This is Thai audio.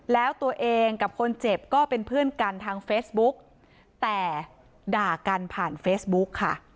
แล้วตัวเองกับคนเจ็บก็เป็นเพื่อนกันทางเฟซบุ๊กแต่ด่ากันผ่านเฟซบุ๊กค่ะ